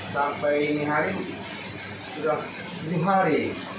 sampai hari ini sudah lima hari